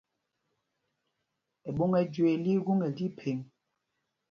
Ɛɓôŋ ɛ́ Jüee lí í gúŋɛl tí phēŋ.